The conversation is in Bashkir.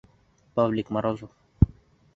Павлик Морозов!